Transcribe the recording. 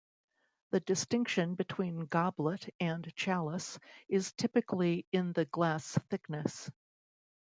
The distinction between goblet and chalice is typically in the glass thickness.